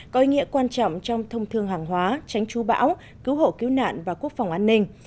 có ý nghĩa quan trọng trong thông thương hàng hóa tránh chú bão cứu hộ cứu nạn và quốc phòng an ninh